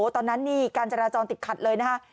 ตอนนั้นนี่การจราจรติดขัดเลยนะฮะ